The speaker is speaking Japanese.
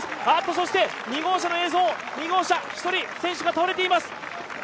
そして、２号車の映像１人選手が倒れています！